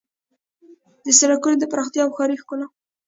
د سړکونو د پراختیا او د ښاري ښکلا